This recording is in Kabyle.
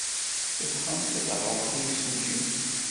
Tebɣamt ad d-ɣreɣ i yimsujji?